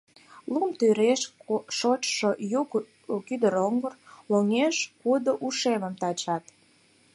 Лум тӱреш шочшо ю кӱдыроҥгыр, Лоҥеш кудо ушемым тачат…